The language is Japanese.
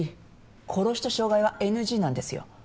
殺しと傷害はＮＧなんですよ。